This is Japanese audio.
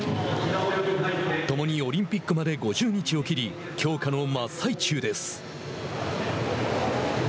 共にオリンピックまで５０日を切り強化の真っ最中です。